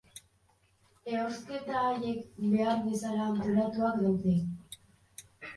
Ehorzketa haiek, behar bezala antolatuak daude.